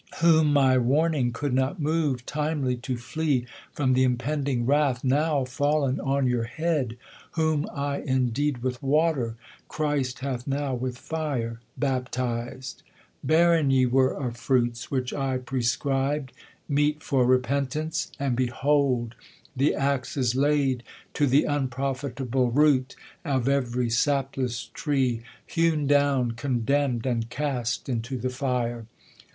whom my warning could not move Timely to flee from the impending wrath Now fallen on your head ; whom I indeed With water, Christ hath now with fire baptiz'd :' Barren ye were of fruits, which I prescrib'd Meet for repentance, and behold ! the axe Is laid to the unprofitable root Of every sapless tree, hewn down, condemn'd And cast into the fire.